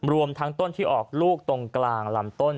รวมทั้งต้นที่ออกลูกตรงกลางลำต้น